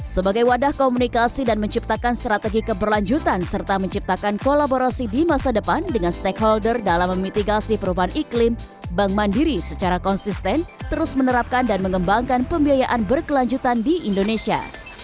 sebagai wadah komunikasi dan menciptakan strategi keberlanjutan serta menciptakan kolaborasi di masa depan dengan stakeholder dalam memitigasi perubahan iklim bank mandiri secara konsisten terus menerapkan dan mengembangkan pembiayaan berkelanjutan di indonesia